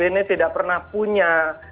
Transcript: menteri bumn tidak pernah punya